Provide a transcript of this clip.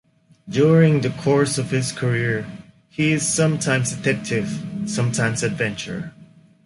During the course of his career he is sometimes detective, sometimes adventurer.